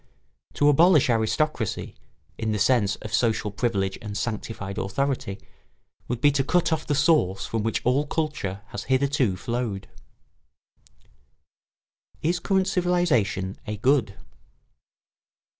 To abolish aristocracy, in the sense of social privilege and sanctified authority would be to cut off the source from which all culture has hitherto flowed. [Sidenote: Is current civilisation a good?